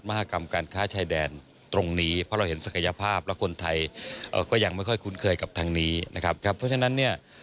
มูลค่าส่งออกชายแดนสองแห่งนี้